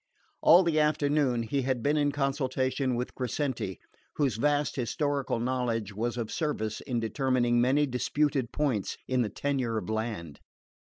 All the afternoon he had been in consultation with Crescenti, whose vast historical knowledge was of service in determining many disputed points in the tenure of land.